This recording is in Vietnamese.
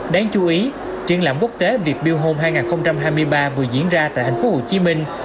đáng chú ý triển lãm quốc tế việt build home hai nghìn hai mươi ba vừa diễn ra tại thành phố hồ chí minh